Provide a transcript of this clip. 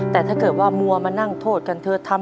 แต่ถ้าเกิดว่ามัวมานั่งโทษกันเธอทำ